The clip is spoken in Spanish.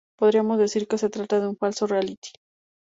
Podríamos decir que se trata de un falso reality.